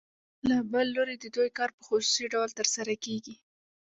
له بل لوري د دوی کار په خصوصي ډول ترسره کېږي